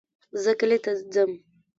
زه کلي ته ځم